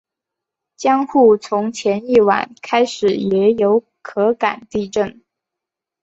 江户从前一晚开始也有可感地震。